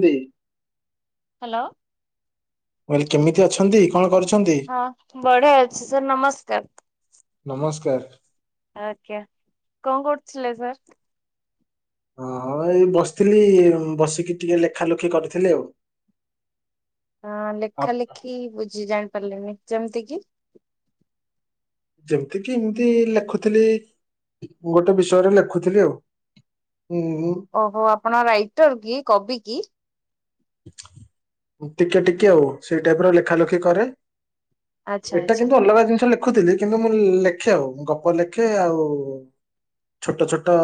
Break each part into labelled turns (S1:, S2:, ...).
S1: ନ୍ତି।
S2: ହାଲୋ-
S1: କହିଲି କେମିତି ଅଛନ୍ତି ।କଣ, କରୁ
S2: ହଁ, ବଢିଆ ଅଛି ।ସାର୍ ନମସ୍କାର।
S1: ନମସ୍କାର
S2: ଆଜ୍ଞା। କଣ, କରୁଥିଲେ ସାର୍।
S1: ହଁ ଏଇ ବସିଥିଲି ବସିକି ଟିକେ ଲେଖା ଲୁଖି କରିଥିଲି ଆଉ।
S2: ହଁ
S1: ଆ
S2: ଲେଖା ଲେଖି ବୁଝି ଜାଣିପାରିଲନି ଯେମିତି କିି
S1: ଯେମିତି କିି ଏମିତି ଲେଖୁଥିଲି। ମୁଁ ଗୋଟେ ବିଷୟରେ ଲେଖୁଥିଲି ଆଉ। ହୁଁ
S2: ଓହୋ ଆପଣ ରାଇଟର କି କବି କି
S1: ଟିକେ ଟିକେ ଆଉ ସେଇ ଟାଇପର ଲେଖାଲଖି କରେ
S2: ଆଚ୍ଛା
S1: ଏଟା
S2: ଆଚ୍ଛା
S1: କିନ୍ତୁ ଅଲଗା ଜିନିଷ ଲେଖୁଥିଲି କିନ୍ତୁ ମୁଁ ଲ୍ ଲେ ଲେଖେ ଆଉ ଗପ ଲେଖେ ଆଉ ଛୋଟ ଛୋଟ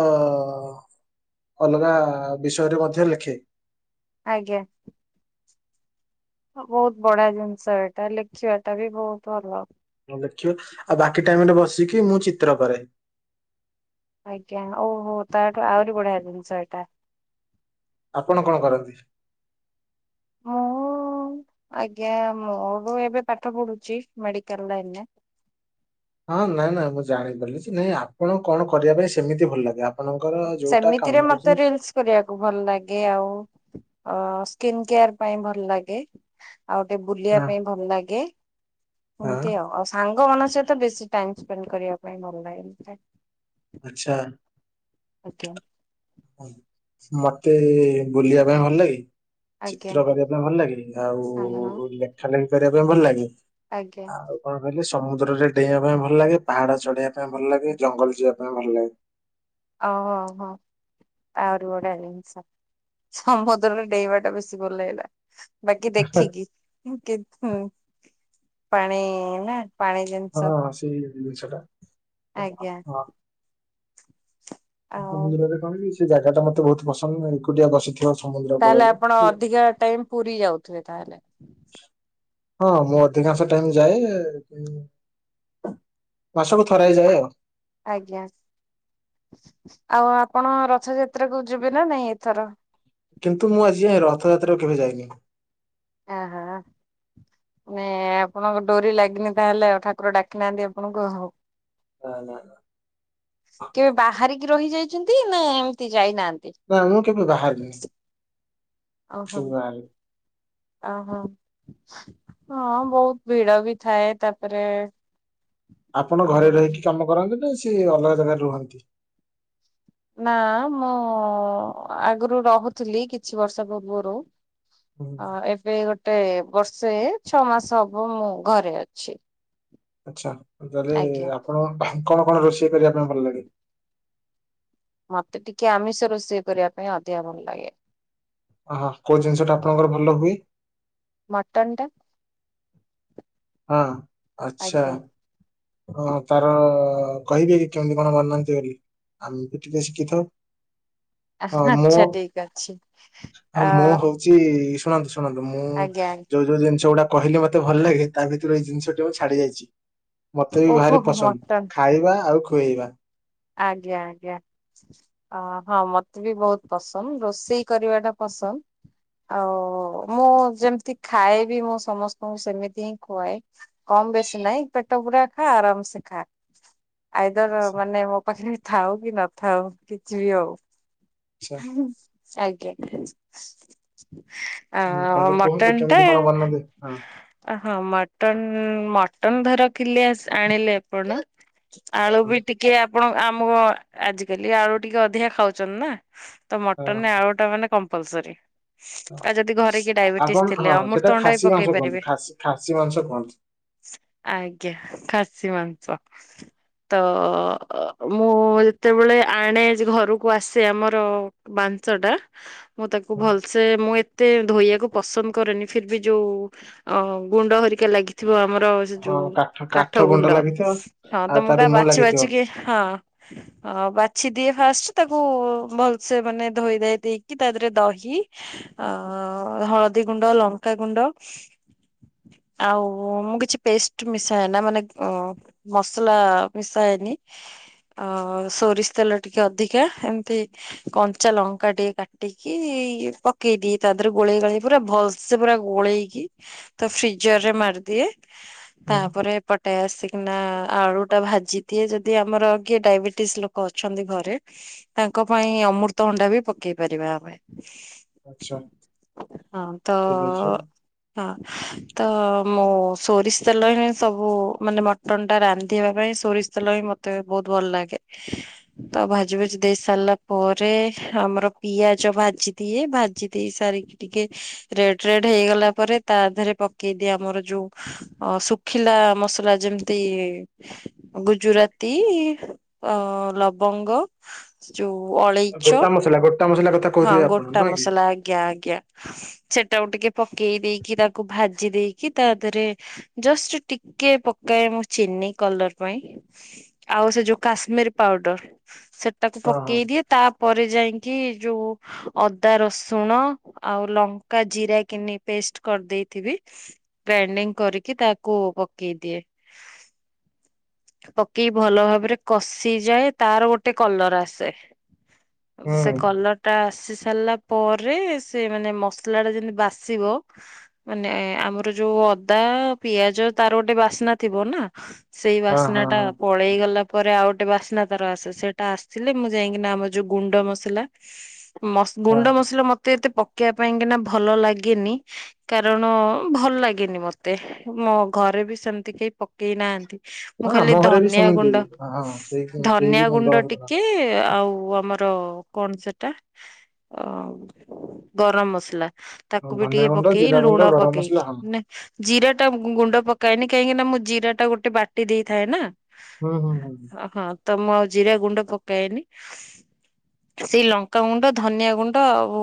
S1: ଅଲଗା ବିଷୟରେ ମଧ୍ୟ ଲେଖେ।
S2: ଆଜ୍ଞା। ହଁ ବହୁତ ବଢ଼ାଆ ଜିନିଷ ଏଇଟା ଲେଖିବା ଟା ବି ବହୁତ ଅଭାବ୍
S1: ହଁ ଲେଖିବା ଆଉ ବାକି ଟାଇମରେ ବସିକି ମୁଁ ଚିତ୍ର କରେ,
S2: ଆଜ୍ଞା ଓହୋ ତାଠୁ ଆହୁରି ବୁଢ଼ିଆ ଜିନଷ ଏଇଟା,
S1: ଆପଣ କଣ କରନ୍ତି?
S2: ମୁଁ ଉ ମୁଁ ଆଜ୍ଞା ମୋ ର ଏବେ ପାଠ ପଢ଼ୁଛି ମେଡିକାଲ ଲାଇନରେ
S1: ହଁ ନାଇଁ ନାଇଁ ମୁଁ ଜାଣିପାରିଲି ଯେ ନାଇଁ ଆପଣ କଣ କରିବା ପାଇଁ ସେମିତି ଭଲ ଲାଗେ ଆପ୍
S2: ହୁଁ ହୁଁ ସେମିତିରେ ମତେ ରିଲସ୍ କରିବାକୁ ଭଲ ଲାଗେ ଆଉ। ଅ ସ୍କିନ୍ କେୟାର ପାଇଁ ଭଲ ଲାଗେ [unintelligible] ଆଉ ଗୋଟେ ବୁଲିବା
S1: ହଁ
S2: ପାଇଁ ଭଲ ଲାଗେ ହୁଁ
S1: ହଁ
S2: ସେମତି ଆଉ ଆଉ ସାଙ୍ଗ୍ ଲ ମାନ ସହିତ ବେଶୀ ଟାଇ ସ୍ପେଣ୍ଡ କରିବା ପାଇଁ ଭଲ ଲାଗେ ସେଥିପାଇଁ
S1: ଆଛା।
S2: ଓକେ।
S1: ହୁଁ ମତେ ବୁଲିବା ପାଇଁ ଭଲ ଲାଗେ?
S2: ଆଜ୍ଞା
S1: ଚିତ୍ର କରିବା ପାଇଁ ଭଲ ଲାଗେ ଆଉ
S2: ଆଜ୍ଞା
S1: ଲେଖା ଲେଖି କରିବା ପାଇଁ ଭଲ ଲାଗେ।
S2: ଆଜ୍ଞା
S1: ଆଉ କଣ କହିଲେ ସେ? ସମୁଦ୍ରରେ ଡେଇଁବା ପାଇଁ ଭଲ ଲାଗେ ପାହାଡ଼ ଚଢେଇବା ପାଇଁ ଭଲ ଲାଗେ ଜଙ୍ଗଲ ଯିବା ପାଇଁ ଭଲ ଲାଗେ।
S2: ଅ ହଁ ହଁ ହଁ। ଆହୁରି ବଡିଆ ଜିନିଷ ସମୁଦ୍ରରେ ଡେଇବା ଟା ବେଶୀ ଭଲ ହେଇିଲା ନା ବାକି ଦେଖିକି ହୁଁ କେତ୍ ହୁ ପାଣି ନା ପାଣି ଜିନସ
S1: ହଁ ସେଇ ଜିନିଷଟା ହଁ ହଁ।
S2: ଆଉ
S1: ମନ୍ଦିରରେ କଣ ସେ ଜାଗା ଟା ମତେ ବହୁତ ପସନ୍ଦ ଏକୁଟିଆ ବସିଥି
S2: ତାହେଲେ ଆପଣ ଅଧିକା ଟାଇମ ପୁରୀ ଯାଉଥିବେ ତାହେଲେ
S1: ହଁ ମୁଁ ଅଧିକାଂଶ ଟାଇମ ଯାଏ [unintelligible] [unintelligible] ମାସକୁ ଥରେ ଯାଏ ଆଉ
S2: ଆଜ୍ଞା। [unintelligible] ଆଉ ଆପଣ ରଥଯାତ୍ରା କୁ ଯିବେ ନା ନାଇଁ ଏଥର
S1: କିନ୍ତୁ ମୁଁ ଆଜି ଯାଏଁ ରଥଯାତ୍ରା କୁ କେବେ ଯାଇନି।
S2: ହେ ହଁ ହଁ। ମାନେ ଆପଣଙ୍କ ଡୋରି ଲାଗିନି ତାହେଲେ ଆଉ ଠାକୁର ଡାକି ନାହାନ୍ତି ଆପଣଙ୍କୁ ଓହୋ
S1: ନା ନା ନା।
S2: କେବେ ବାହାରିକି ରହିଯାଇଛନ୍ତି ନାଁ ଏମିତି ଯାଇନାହାନ୍ତି
S1: ନା ମୁଁ କେବେ ବାହାରିନି।
S2: ଆଉ
S1: କେବେ
S2: ଫନ୍
S1: ବାହାରିନି।
S2: ଆଉ ଫନ୍ ହଁ ବହୁତ ଭିଡ଼ ବି ଥାଏ ତାପରେ
S1: ଆପଣ
S2: ଓହୋ
S1: ଘରେ ରହିକି କାମ କରନ୍ତି ନା ସିଏ ଅଲଗା ଜାଗାରେ ରୁହନ୍ତି?
S2: ନା ମୁଁ ଆଗରୁ ରହୁଥିଲି କିଛି ବର୍ଷ ପୂର୍ବରୁ ହଁ ଏବେ ଗୋଟେ ବର୍ଷେ ଛଅ ମାସ ହବ ମୁଁ ଘରେ ଅଛି।
S1: ଆଛା ତାହେଲେ
S2: ଆଜ୍ଞା।
S1: ଆପଣ ହେ କଣ କଣ ରୋଷେଇ କରିବା ପାଇଁ ଭଲ ଲାଗେ।
S2: ମତେ ଟିକେ ଆମିଷ ରୋଷେଇ କରିବା ପାଇଁ ଅଧିକା ଭଲ ଲାଗେ।
S1: ହଁ ହଁ କୋଉ ଜିନିଷ ଟା ଆପଣଙ୍କର ଭଲ ହୁଏ।
S2: ମଟନ୍ ଟା।
S1: ହଁ ଆଚ୍ଛା।
S2: ଆଜ୍ଞା।
S1: ହଁ ତାର କହିବି କି କେମିତି କଣ ବନାନ୍ତି ବୋଲି ଆମେ ବି ଟିକେ ଶିକିଥାଉ।
S2: [inaudible]
S1: ହଁ
S2: ଠିକ ଅଛି ଆ
S1: ମୁଁ ମୁଁ ହଉଛି ଶୁଣନ୍ତୁ ଶୁଣନ୍ତୁ ମୁଁ
S2: ଆଜ୍ଞା ଆଜ୍ଞା
S1: ଯୋଉ ଯୋଉ ଜିନିଷ ଗୁଟା କହେ ମତେ ଭଲ ଲାଗେ ତା ଭିତରୁରେ ଏଇ ଜିନିଷଟି ମୁଁ ଛାଡି ଯାଇଛି। ମତେ ବି
S2: ଓହୋ
S1: ଭାରି ପସନ୍ଦ
S2: ମଟନ
S1: ଖାଇବା ଆଉ ଖୁଆଇବା।
S2: ଆଜ୍ଞା ଆଜ୍ଞା ଅ ହଁ ମତେ ବି ବହୁତ ପସନ୍ଦ ରୋଷେଇ କରିବା ଟା ପସନ୍ଦ। ଆଉ ମୁଁ ଯେମିତି ଖାଏ ବି ମୁଁ ସମସ୍ତଙ୍କୁ ସେମିତି ହିଁ ଖୁଆଏ କଣ କ ବେଶୀ ନାଇଁ ପେଟ ପୂୁର ଖା ଆରାମସେ ଖା। ଆଇଦର ମାନେ ମୋ ପାଖରେ ବି ଥାଉ କି ନଥାଉ କିଛି ବି ଆଉ
S1: ଆଚ୍ଛା
S2: ହ ଆଜ୍ଞା। ଆ
S1: ହୁଁ, ତାହେଲେ କୁହନ୍ତୁ
S2: ମଟନ୍ ଟା
S1: କେମିତି କଣ ବନାନ୍ତି ହଁ
S2: ହଁ ମଟନ୍। ମଟନ ଧର ଖକିଲେ ଆଣିଲେ ଆପଣ ଆଳୁ
S1: ହଁ
S2: ବି ଟିକେ ଆପଣ ଆମକୁ ଆଜିକାଲି ଆଳୁ ଟିକେ ଅଧିକା ଖାଉଛନ୍ତି ନା ତ
S1: ହଁ।
S2: ମଟନରେ ଆଳୁ ଟା ମାନେ କମ ମ୍ପଲସରି ଆଉ ଯଦି ଘରେ କି
S1: ଆ-
S2: ଡାଇବେଟିସ
S1: ଆପଣ ହଁ
S2: ଥିଲେ ଆଉମର
S1: ସେଟା
S2: ତଣ୍ଡା ବି
S1: ଖାସି ମାଂସ
S2: ପକେଇ
S1: କୁହନ୍ତି
S2: ପାରିବେ।
S1: ଖାସି ଖାସି ମାଂସ କୁହନ୍ତି।
S2: ଆଜ୍ଞା ଖାସି ମାଂସ ତ ମୁଁ ଯେତେବେଳେ ଆଣେ ଘରକୁ ଆସେ ଆମର। ବାଞ୍ଚ ଟା ମୁଁ ତାକୁ ଭଲସେ ମୁଁ ଏତେ ଧୋଇବାକୁ ପସନ୍ଦ କରେନି ଫିର୍ବି ଯୋଉ ଅ ଗୁଣ୍ଡ ହରିକା ଲାଗିଥିବ ଆମର ସେ ଯୋଉ କାଠ ଗୁଣ୍ଡ ହଁ ତ
S1: ଆଉ
S2: ମୁ ତା
S1: ରୁମ
S2: ବାଛି
S1: ଲାଗିଥିବ
S2: ବାଛିକି ହଁ। ହଁ ବାଛି ଦିଏ ଫାଷ୍ଟ ତାକୁ ଭଲସେ ମାନେ ଧୋଇଦଏ ଦେଇକି ତା ଦେହରେ ଦହି ଆ ହଳଦୀ ଗୁଣ୍ଡ ଲଙ୍କା ଗୁଣ୍ଡ [unintelligible] ଆଉ ମୁଁ କିଛି ପେଷ୍ଟ ମିଶାଏ ନା ମାନେ ମସଲା ମିଶାଏନି ଅ ସୋରିଷ ତେଲ ଟିକେ ଅଧିକା ଏମିତି। କଞ୍ଚା ଲଙ୍କା ଟିକେ କାଟିକି ପକେଇଦିଏ ତା ଦେହରେ ଗୋଳେଇ ଗୋଳେଇ ପୁରା ଭଲସେ ପୁରା। ଗୋଳେଇକି ଫ୍ରିଜରରେ ମାରଦିଏ
S1: ହୁଁ,
S2: ତାପରେ ପଟ ନା ଆଳୁ ଟା ଭାଜି ଦଏ ଯଦି ଆମର କିଏ ଡାଇବେଟିସ୍ ଲୋକ ଅଛନ୍ତି ଘରେ ତା ଙ୍କ ପାଇଁ ଅମୃତ ହଣ୍ଡା ବି ପକେଇ ପାରିବା ଆମେ
S1: ଆଚ୍ଛା
S2: ହଁ ତ
S1: ଠିକ ଅଛି।
S2: ହଁ ତ ମୁଁ ସୋରିଷ ତେଲ ହିଁ ସବୁ ମାନେ ମଟନ୍ ଟା ରାନ୍ଧିବା ପାଇଁ ସୋରିଷ ତେଲ ହିଁ ମତ ମତେ ବହୁତ ଭଲ ଲାଗେ ତ ଭାଜି ଭଜି ଦେଇ ସାରିଲା ପରେ ଆମର ପିଆଜ ଭାଜି ଦିଏ ଭାଜି ଦେଇ ସାରିକି ଟିକେ ରେ ହେଇଗଲା ପରେ ତା ଦେହରେ ପକେଇଦି ଆମର ଯୋଉ ଶୁଖିଲା ମସଲା ଯେମତି ଗୁଜୁରାତି ଅ ଲବଙ୍ଗ। ଯଉ ଅଳେଇଛ
S1: ଗୋଟା ମସଲା ଗୋଟା ମସଲା କଥା
S2: ହଁ
S1: କହୁଥିବେ ଆପଣ
S2: ଗୋଟା
S1: ନୁହେଁ କି
S2: ମସଲା ଆଜ୍ଞା ଆଜ୍ଞା। ସେଟାକୁ ଟିକେ ପକେଇ ଦେଇକି ତାକୁ ଭାଜି ଦେଇକି ତା ଦେହରେ ଜଷ୍ଟ ଟିକେ ମୁ ଚିନି କଲର ପାଇଁ ଆଉ ସେ ଯୋଉ କାଶ୍ମୀର ପାଉଡର ତାକୁ
S1: ହଁ ହଁ
S2: ପକେଇ ଦିଏ ତାପରେ ଯାଇିକି। କି ଯୋଉ ଅଦା ରସୁଣ ଆଉ ଲଙ୍କା ଜିରା କିନି ପେଷ୍ଟ କରିଦେଇ ଗ୍ରାଇଣ୍ଡିଙ୍ଗ କରିକି ତାକୁ ପକେଇ ଦିଏ। ପକେଇି ଭଲ ଭାବରେ କଷିଯାଏ ତାର ଗୋଟେ କଲର ଆସେ।
S1: ହୁଁ
S2: ସେ କଲର ଟା ଆସି ସାରିଲା ପରେ ସେ ମାନେ ମସଲା ଟା ଯେମିତି ବାସିବ ମାନେ ଆମର ଯୋଉ ଅଦା ପିଆଜ ତାର ଗୋଟେ ବାସ୍ନା ଥିବ ନା ସେଇ
S1: ହଁ
S2: ବାସ୍ନା
S1: ହଁ
S2: ଟା
S1: ହଁ।
S2: ପଳେଇ ଗଲା ପରେ ଆଉ ଗୋ ଗଟେ ବାସ୍ନା ତାର ଆସେ ସେଇଟା ଆସିଲଥିଲେ ମୁଁ ଯାଇକିନା ଆମର ଯୋଉ ଗୁଣ୍ଡ ମସଲା ଗୁଣ୍ଡ
S1: ହଁ
S2: ମସଲା ମତେ ଏତେ ପ ଶଖିବା ପାଇଁ କିନା ଭଲ ଲାଗେନି କାରଣ ଭଲ ଲାଗେନି ମତେ ମୋ ଘରେ ବି ସେମିତି କେହି ପକେଇ ନାହାନ୍ତି ମୁଁ
S1: ହଁ ଆମ
S2: ଖାଲି
S1: ଘରେ ବି ସେମିତି ହଁ ସେଇ କେହି ବି
S2: ଧନିଆ ଗୁଣ୍ଡ
S1: ମସଲା,
S2: ଟିକେ ଆଉ ଆମର କଣ ସେଟା ଗରମ ମସଲା ତାକୁ ବି
S1: ଧନିଆ
S2: ଟିକେ
S1: ଗୁଣ୍ଡ
S2: ପକେଇ
S1: ଜିରା ଗୁଣ୍ଡ
S2: ଲୁଣ
S1: ଗରମ
S2: ପକେଇ
S1: ମସଲା ହଁ
S2: ଜିରା ଗୁଣ୍ଡ ପକାଏନି କାହିଁକିନା ମୁଁ ଜିରା ଟା ଗୋଟେ ବାଟି ଦେଇଥାଏ ନା
S1: ହୁଁ ହୁଁ ହୁଁ ଉ
S2: ହଁ ତ ମୁଁ ଆଉ ଜିରା ଗୁଣ୍ଡ ପକଏନି। ସେଇ ଲଙ୍କାଗୁଣ୍ଡ ଧନିଆ ଗୁଣ୍ଡ ଆଉ ଉଁ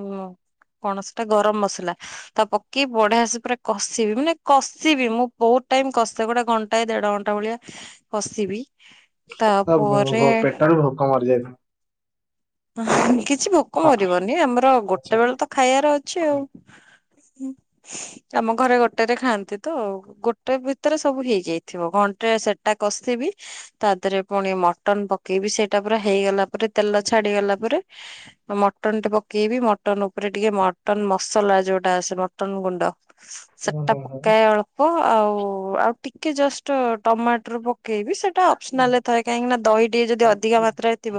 S2: ଉଁ ହୁଁ କଣ ସେଟା ଗରମ ମସଲା! ତା ପକି ବଢିଆସେ ପୁରା କଷିବି ମାନେ କଷିବି ମୁଁ ବହୁ ୋ ଟାଇମ୍ କସେ ଗୋଟେ ଘଣ୍ଟାଏ ଦେଢ ଘଣ୍ଟା ଭଳିଆ କସିବି
S1: ତା
S2: ତାପରେ
S1: ଭୋ ପେଟରୁ ଭୋକ ମରିଯାଇଥିଲା।
S2: କିଛି ଭୋକ ମରିବନି, ଆମର ଗୋଟେ
S1: ଆଚ୍ଛା
S2: ବେଳ
S1: ହୁଁ
S2: ତ ଖାଇବାର ଅଛି ଆଉ ହଁ ଆମ ଘରେ ଗୋଟେ ରେ ଖାଆନ୍ତି ତ ଗୋଟେ ଭିତରେ ସବୁ ହେଇଯାଇଥିବ। ଘଣ ଟା ସେଟା କଷିବି ତା ଦେହରେ ପୁଣି ମଟନ ପକେଇବି ସେଇଟା ପୁରା ହେଇଗଲା ପରେ ତା ଛାଡିଗଲା ପରେ ଏଁ ମଟନ ଟେ ପକେଇବି। ମଟନ ଉପରେ ଟିକେ ମଟନ ମସଲା ଯୋଉଟା ଆସ ସେ ମଟନ୍ ଗୁଣ୍ଡ
S1: ହୁଁ
S2: ସେଟା
S1: ହୁଁ ହୁଁ
S2: ପକାଏ ଅଳ୍ପ ଆଉ ଆଉ ଟିକେ ଜଷ୍ଟ ଟମାଟର ପ ପକେଇବି ସେଟା ଅପସନାଲରେ ଥାଏ କାହିଁକିନା ଦହି ଟିକେ ଯଦି ଅଧିକ ମାତ୍ରାରେ ଥିବ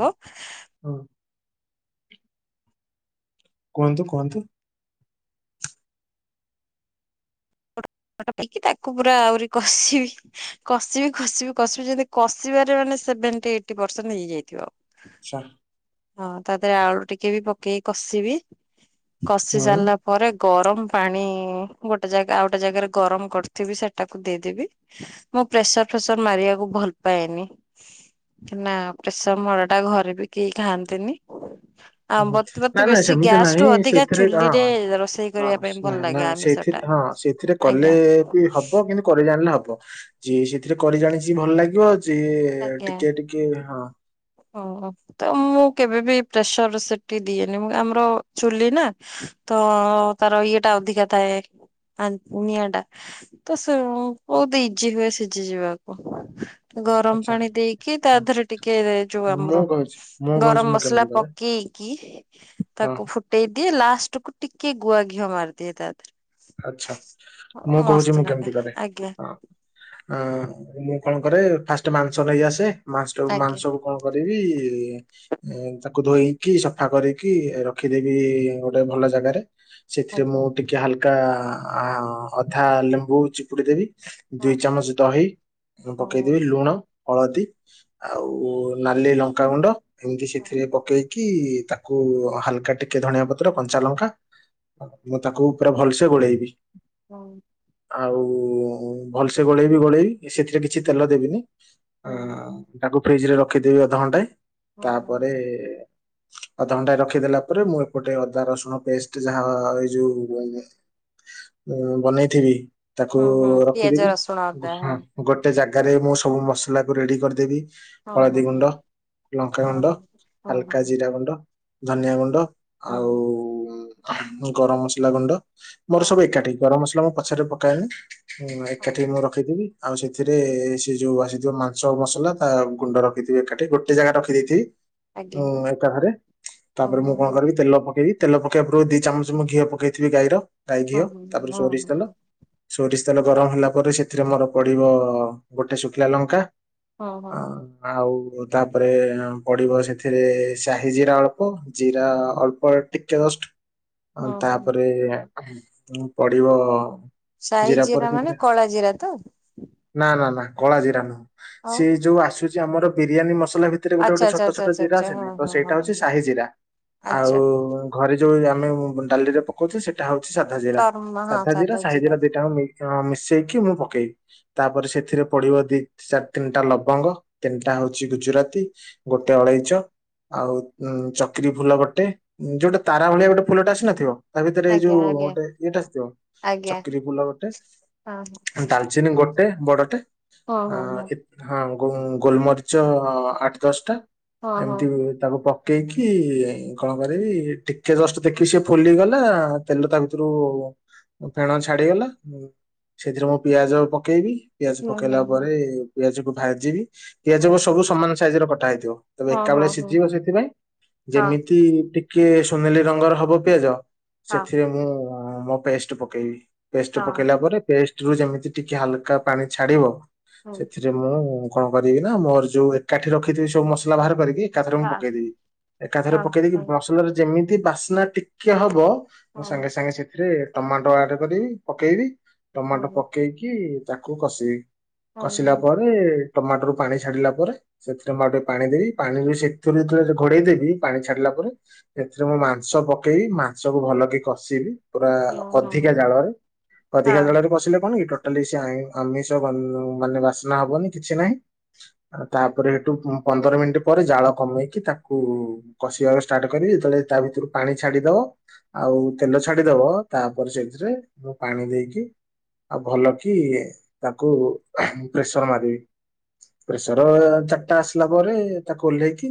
S1: କୁହନ୍ତୁ କୁହନ୍ତୁ
S2: ପାଇକି ତାକୁ ପୁରା ଆହୁରି କଷିବି କଷିବି କଷିବି କଷିବି ଯେମିତି କଷିବାରେ ମାନେ ସେବେଣ୍ଟି ଏଇଟ୍ ପର୍ଶେନ୍ ହେଇଯାଇଥିବ
S1: ଛା
S2: ହଁ! ତା ଦେହରେ ଆଳୁ ଟିକେ ବି ପକେଇି କଷିବି କଷି ସାରିଲା
S1: ହୁଁ
S2: ପରେ ଗରମ ପାଣି ଇ ଇ ଗୋଟେ ଜାଗା ଆଉ ଗୋଟେ ଜାଗାରେ ଗରମ କରିଥିବି ସେଟାକୁ ଦେଇଦେବି ମୁଁ ପ୍ରେସର ଫେସର ମାରିବାକୁ ଭଲ୍ ପାଏନି ନା ପ୍ରେସବ ମରା ଟା ଘରେ ବି କେହି ଖାଆନ୍ତିନି ଆମ୍ୱ
S1: ହୁଁ
S2: ତ
S1: ନା
S2: ବତେ
S1: ନା
S2: ବେଶୀ
S1: ସେମିତି
S2: ଗ୍ୟାସ
S1: ନାହିଁ
S2: ରୁ ଅଧିକା
S1: ସେଇଥିରେ ହଁ
S2: ଚୁଲି ରେ ରୋଷେଇ
S1: ହଁ
S2: କରିବା ପାଇଁ
S1: ନା
S2: ଭଲ
S1: ନା
S2: ଲାଗେ ଆମିଷଟା
S1: ସେଇଥିରେ ହଁ ସେଥିରେ କଲେ ଏ ବି ହବ କିନ୍ତୁ କରିଜାଣିଲେ ହବ ଯିଏ ସେଥିରେ କରି ଜାଣିଛି ଭଲ ଲାଗିବ ସଏ ଟିକିଏ ଟିକିଏ ହଁ
S2: ଅଁ ତ ମୁଁ କେବେ ବିି ପ୍ରେସରର ଶିଟି ଦିଏନି ମୁ ଆମର ଚୁଲି ନା
S1: ହଁ,
S2: ତଅଅଅଅ ତାର ଇଏ ଟା ଅଧିକା ଥାଏ ଆନ ନିଆଁଟା ତ ସେଉନ୍ ବହୁତ ଇଜି ହୁଏ ସିଝି ଯିବାକୁ। ଗରମ
S1: ଆଚ୍ଛା
S2: ପାଣି ଦେଇକି ତା
S1: ହଁ,
S2: ଧେରେ ଟିକେ
S1: ହଁ,
S2: ବାମରୋ
S1: ମୁଁ କହୁଛି ମୁଁ କହୁଛି
S2: ଗରମ
S1: ମୁଁ
S2: ମସଲା
S1: କେମିତି କରେ
S2: ପକେଇକି
S1: ହଁ
S2: ତାକୁ ଫୁଟେଇଦି ଲାଷ୍ଟକୁୁ ଟିକେ ଗୁଆ ଘିଅ ମାରିଦିଏ ତାଧିରେ
S1: ଆଛା! ମୁଁ କହୁଛି ମୁଁ
S2: ଲାଗେ।
S1: କେମିତି କରେ
S2: ଆଜ୍ଞା
S1: ହଁ ହଁ ମୁଁ କଣ କରେ ଫାଷ୍ଟେ ମାଂସ ନେଇଆସେ ମାଂସଟକ
S2: ଆଜ୍ଞା
S1: ମାଂସଟାକୁ କୁ କଣ କରିବି ଇ ଏ ତାକୁ ଧୋଇକି ସଫା କରିକି ରଖିଦେବି ଗୋଟେ ଭଲ ଜାଗାରେ ସେଥିରେ ମୁଁ
S2: ଆଜ୍ଞା
S1: ଟିକେ ହାଲକା ଆ ଆ ଅଧା ଲେମ୍ବୁ ଚିପୁଡି ଦେବି ଦୁଇ ଚାମଚ ଦହି ମୁଁ
S2: ହଁ
S1: ପକେଇଦବି
S2: ହଁ।
S1: ଲୁଣ, ହଳଦୀ ଆଉ ନାଲି ଲଙ୍କାଗୁଣ୍ଡ ଏମିତି
S2: ହଁ
S1: ସେଥିରେ ପକେଇକି କି ତାକୁ ହାଲକା ଟିକେ ଧଣିଆପତ୍ର କଞ୍ଚା ଲଙ୍କା ମୁଁ ତାକୁ ପୁରା ଭାଲ୍ସେ ଗୋଳେଇବି
S2: ହମ୍।
S1: ଆଉ ଉ ଉ ଭଲସେ ଗୋଳେଇବି ଗୋଳେଇବି ସେଥିରେ କିଛି ତେଲଦେବିନି ଅ
S2: ହଁ
S1: ତାକୁ ଫ୍ରିଜ ରେ ରଖିଦେବି ଅଧଘଣ୍ଟେ
S2: ହଁ
S1: ତାପରେ ଅଧଘଣ୍ଟା ରଖିଦେଲା ପରେ ମୁଁ ଏପଟେ ଅଦାରସୁଣ ପେଷ୍ଟ ଯାହା ଏଇଯୋଉ ଦିଆ ଯାଏ ମୁଁ ବନେଇଥିବି ତାକୁ
S2: ହଁ ହଁ ପିଆଜ
S1: ରଖିଦେବି
S2: ରସୁଣ ଅଦା
S1: ଗୁହୁଁହା
S2: ହଁ।
S1: ଗୋଟେ ଜାଗାରେ ମୁଁ ସବୁ ମସଲାକୁ ରେଡି କରିଦେବି।
S2: ହଁ
S1: ହଳଦୀଗୁଣ୍ଡ,
S2: ହଁ ହଁ
S1: ଲଙ୍କାଗୁଣ୍ଡ,
S2: ହଁ ହଁ ହଁ ହଁ
S1: ହାଲକା ଜିରାଗୁଣ୍ଡ, ଧନିଆଗୁଣ୍ଡ
S2: ହଁ
S1: ଆଉ ଗରମ ମସଲା ଗୁଣ୍ଡ ମୋର
S2: ହଁ
S1: ସବୁ
S2: ହଁ
S1: ଏକାଠି ଗରମ ମସଲା ପଛରେ ପକାଏନି ଏକାଠି
S2: ହଁ
S1: ମୁଁ ରଖିଦେବି ଆଉ ସେଥିରେ ସେ ଯୋଉ ଆସିଥିବ ମାଂସ ମସଲା ତା ଗୁଣ୍ଡ ରଖିଥିବି ଏକାଠି ଗୋଟେ ଜାଗାରେ ରଖିଦେଇଥିବି।
S2: ଆଜ୍ଞା
S1: ହୁଁ ଏକାଥରେ
S2: ହଁ
S1: ତାପରେ ମୁଁ
S2: ହଁ
S1: କଣ କରିବି ତେଲ ପକେଇବି ତେଲ ପକେଇବା ପୁର୍ବରୁ ଦି ଚାମଚ ମୁଁ ଘିଅ ପକେଇଥିବି ଗାଈର ଗାଈ ଘିଅ
S2: ହଁ ହଁ
S1: ତାପରେ
S2: ହଁ
S1: ସୋରିଷ
S2: ହଁ
S1: ତେଲ ସୋରିଷ ତେଲ ଗରମ ହେଲା ପରେ ସେଥିରେ ମୋର ପଡିବ ଗୋଟେ ଶୁଖିଲା ଲଙ୍କା ହଁ ଆଉ - ତାପରେ ପଡିବ ସେଥିରେ ସାହି ଜିରା ଅଳ୍ପ ଜିରା ଅଳ୍ପ ଟିକେ ଜଷ୍ଟ
S2: ହଁ।
S1: ଏୟା ଉଁ ପଡିବ
S2: ସାଇ
S1: ଜିରା ପରେ
S2: ମାନେ
S1: ସେଥିରେ
S2: କଳା ଜିରା ତ
S1: ନା ନା ନା। କଳାଜିରା ନୁହଁ
S2: ଆଉ
S1: ସେ ଯୋଉ ଆସୁଛି ଆମର ବିରିୟାନୀ ମସଲା ଭିତରେ ଗୋଟେ
S2: ଆଚ୍ଛା
S1: ଗୋଟେ
S2: ଆଚ୍ଛା
S1: ଛୋଟ
S2: ଆଚ୍ଛା
S1: ଛୋଟ
S2: ଆଚ୍ଛା
S1: ଜିରା
S2: ଆଚ୍ଛା ହଁ
S1: ଆସେନି ତ ସେଇଟା
S2: ହଁ ହଁ
S1: ହଉଛି
S2: ହଁ
S1: ସାହି ଜିରା
S2: ଆଚ୍ଛା
S1: ଆଉ ଘରେ ଯୋଉ ଯୋଉ ଆମେ ଡାଲିରେ ପକଉଛେ ସେ ସେଇଟା ହଉଛି ସାଧା ଜିରା ସାଧା ଜିରା ସାହି ଜିରା ଦିଟା ମିଶେ ମିଶେଇକି ମୁଁ ପକେଏ। ତାପରେ ସେଥିରେ ପଡିବ ଦି ଚାରି ତିନିଟା ଲବଙ୍ଗ ତିନିଟା ହଉଛି ଗୁଜୁରାତି ଗୋଟେ ଅଳେଇଚ ଆଉ ଉଁ ଚକିରି ଫୁଲ ଗୋଟେ ଯୋଉଟା ତାରା ଭଳିଆ ଗୋଟେ ଫୁଲଟେ ଆସିନଥିବ। ତା ଭିତରେ ଏଇ
S2: ଆଜ୍ଞା
S1: ଯୋଉ
S2: ଆଜ୍ଞା
S1: ଗୋଟେ ଇଏଟା ଆସିଥିବ
S2: ଆଜ୍ଞା
S1: ଚକିରି ଫୁଲ ଗୋଟେ ଡାଲଚିନି ଗୋଟେ ବଡ ଆଁ
S2: ହଁ ହଁ ହଁ
S1: ଏ ତେ ହଁ ଗୋ ଗୋଲମରିଚ ଅ ଆଠ ଦଶଟା
S2: ହଁ ହଁ
S1: ଏମିତି ତାକୁ ପ ପକେଇକି କଣ କରିବି ଟିକେ ଜଷ୍ଟ ଦେଖିବି ସେ ଫୁଲିଗଲା ତେଲ ତା ଭିତରୁ ଫେଣ ଛାଡିଗଲା ସେଥିରେ ମୁଁ ପିଆଜ ପକେଇବି ପିଆଜ
S2: ହୁଁ ହୁଁ
S1: ପକେଇଲା
S2: ହୁଁ
S1: ପରେ ପିଆଜକୁ ଭାଜିବି
S2: ହଁ
S1: ପିଆଜକୁ ସବୁ ସମାନ ସାଇଜରେ କଟା ହେଇଥିବ ତେବେ
S2: ହଁ
S1: ଏକାବେଳେ
S2: ହଁ
S1: ସିଝିବ ସେଥିପାଇଁ।
S2: ହଁ
S1: ଯେମିତି ଟିକ ଟିକିଏ ସୁନେଲି ରଙ୍ଗର ହବ ପିଆଜ ସେଥିରେ ମୁଁ ମୋ ପେଷ୍ଟ ପକେଇବି। ପେଷ୍ଟ ପକେଇଲା ପରେ ପେଷ୍ଟ ରୁ ଯେମିତି ଟିକେ ହାଲକା ପାଣି ଛାଡିବ
S2: ହୁଁ
S1: ସେଥିରେ ମୁଁ କଣ କରିବିନା ମୋର ଯୋଉ ଏକାଠି ରଖିଥିବି ସବୁ ମସଲା ବାହାର କରିକି ଏକାଥରେ ମୁ
S2: ହଁ
S1: ପକେଇଦେବି ଏକାଥରେ
S2: ହଁ
S1: ପକେଇଦେଇକି ମସଲାରେ ଯେମିତି ବାସ୍ନା ଟିକେ ହବ
S2: ହଁ ହୁଁ ହଁ ହଁ ହଁ
S1: ମୁଁ ସାଙ୍ଗେ ସାଙ୍ଗେ ସେଥିରେ ଟମାଟୋ ଆଡ କରିବି ପକେଇବି ଟମାଟୋ ପକେଇକି ତାକୁ କଷିବି
S2: ହଁ ହଁ ହଁ
S1: କଷିଲା ପରେ ଟମାଟୋରୁ ପାଣି ଛାଡିଲା ପରେ ସେଥିରେ ମୁଁ ଆଉ ଟିକେ ପାଣି ଦେବି ପାଣିରୁ ସେଥିରୁ ଯେତେବେଳ ଘୋଡେଇ ଦେବି ପାଣି ଛାଡିଲା ତାପରେ ଏଥିରେ ମୁଁ ମାଂସ ପକେଇବି ମାଂସ ସବୁ ଭଲକି କଷିବି ପୁରା
S2: ହଁ
S1: ଅଧିକା
S2: ହଁ
S1: ଜାଳରେ ଅଧିକା
S2: ହଁ
S1: ଜାଳରେ କଷିଲେ କଣ କି ଟୋ ଟୋଟାଲି ସେଇ ଆଇ ଆମିଷ ମାନେ ବାସ୍ନା ହବନି କିଛି ନାହିଁ ତାପରେ ସେଠୁ ପନ୍ଦର ମିନିଟ ପରେ ଜାଳ କମେଇକି ତାକୁ କଷିବାର ଷ୍ଟାର୍ଟ କରିବି ଯେତେବେଳେ ତା ଭିତରୁ ପାଣି ଛାଡିଦବ ଆଉ ତେଲ ଛାଡିଦବ ତାପରେ ସେଥିରେ ମୁଁ ପାଣି ଦେଇକି ଆଉ ଭଲ କି ତାକୁ ପ୍ରେସର ମାରିବି। ପ୍ରେସର ଚାରିଟା ଆସିଲା ପରେ ତାକୁ ଓହ୍ଲେଇକି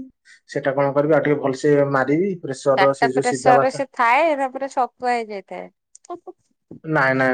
S1: ସେଟା କଣ କରିବି ଆଉ ଟିକେ ଭଲସେ ମାରିବି। ପ୍ରେସର ର ସେ
S2: ଚାରିଟା
S1: ଯୋଉ ସିଧା
S2: ପ୍ରେସରରେ
S1: ବାସା
S2: ସେ ଥାଏ ନା ପୁରା ଛତୁଆ ହେଇଯାଇଥାଏ ହୁଁ ହୁଁ।
S1: ନାଇଁ ନାଇଁ